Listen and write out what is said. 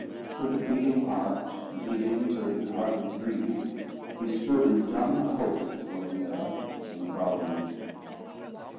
With a beating heart, beating till he could hardly breathe, he stood in dumb hope before the mirror, on the following evening.